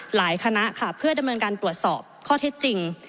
คณะค่ะเพื่อดำเนินการตรวจสอบข้อเท็จจริง